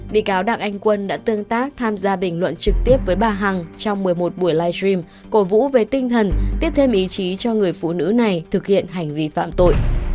bị cáo đặng anh quân đã tương tác tham gia bình luận trực tiếp với bà hằng trong một mươi một buổi live stream cổ vũ về tinh thần tiếp thêm ý chí cho người phụ nữ này thực hiện hành vi phạm tội